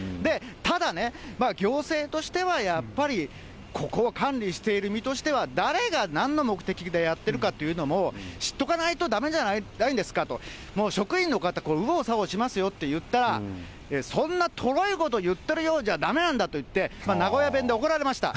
ただね、行政としてはやっぱりここを管理している身としては、誰がなんの目的でやってるかというのも知っとかないとだめじゃないんですかと、もう、職員の方、右往左往しますよって言ったら、そんなとろいこと言ってるようじゃだめなんだと言って、名古屋弁で怒られました。